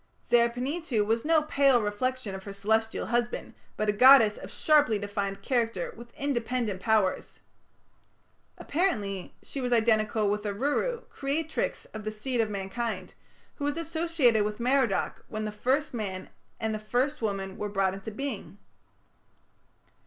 Zer panituᵐ was no pale reflection of her Celestial husband, but a goddess of sharply defined character with independent powers. Apparently she was identical with Aruru, creatrix of the seed of mankind, who was associated with Merodach when the first man and the first woman were brought into being.